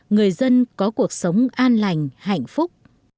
người dân có cuộc sống an lành hạnh phúc